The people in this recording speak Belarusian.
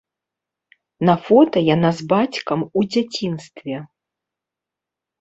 На фота яна з бацькам у дзяцінстве.